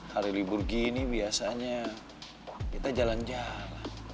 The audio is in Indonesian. hari libur gini biasanya kita jalan jalan